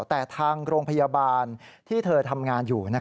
แต่ทางโรงพยาบาลที่เธอทำงานอยู่